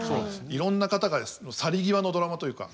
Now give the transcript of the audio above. いろんな方の去り際のドラマというか。